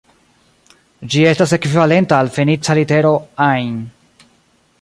Ĝi estas ekvivalenta al fenica litero "ain".